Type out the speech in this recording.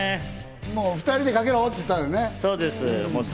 もう２人でかけろって言ったんだよね。